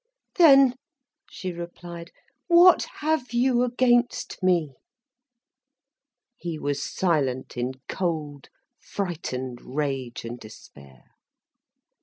"Then," she replied, "what have you against me!" He was silent in cold, frightened rage and despair.